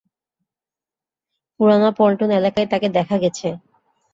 পুরানা পল্টন এলাকায় তাকে দেখা গেছে।